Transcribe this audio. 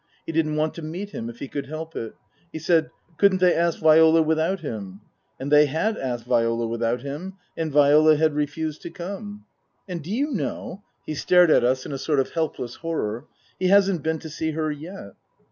He didn't want to meet him if he could help it. He said, Couldn't they ask Viola without him ? And they had asked Viola without him, and Viola had refused to come. " And do you know " (he stared at us in a sort of helpless horror) " he hasn't been to see her yet."